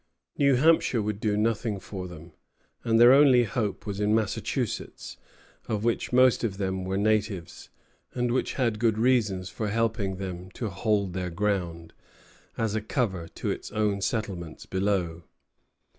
New Hampshire would do nothing for them, and their only hope was in Massachusetts, of which most of them were natives, and which had good reasons for helping them to hold their ground, as a cover to its own settlements below.